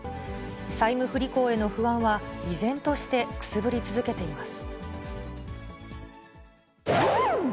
債務不履行への不安は、依然としてくすぶり続けています。